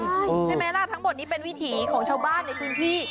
ใช่ไหมล่ะทั้งหมดนี้เป็นวิถีของชาวบ้านในพื้นที่